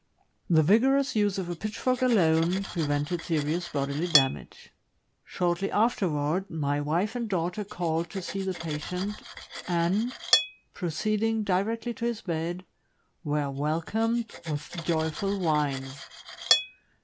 The vigorous use of a pitchfork alone prevented serious bodily damage. Shortly afterward, my wife and daughter called to see the patient, and, proceeding directly to his bed, were welcomed with joyful whines.